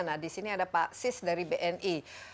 nah di sini ada faksis dari bni